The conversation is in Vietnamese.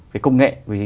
về công nghệ